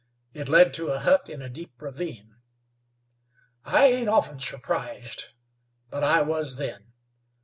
It led to a hut in a deep ravine. I ain't often surprised, but I wus then.